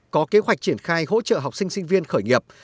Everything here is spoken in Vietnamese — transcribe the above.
có kế hoạch triển khai hỗ trợ học sinh sinh viên khởi nghiệp